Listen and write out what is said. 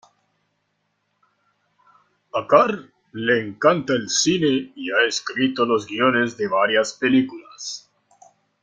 A Carr le encanta el cine y ha escrito los guiones de varias películas.